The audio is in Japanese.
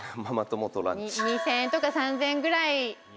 「２０００円とか３０００円ぐらい」